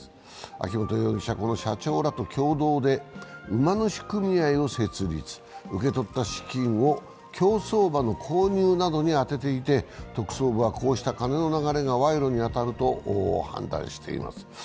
秋本容疑者はこの社長らと共同で馬主組合を設立、受け取った資金を競走馬の購入などに充てていて特捜部は、こうした金の流れが賄賂に当たると判断しています。